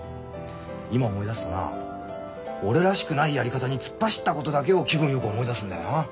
今思い出すとな俺らしくないやり方に突っ走ったことだけを気分よく思い出すんだよな。